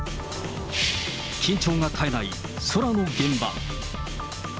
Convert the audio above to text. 緊張が絶えない空の現場。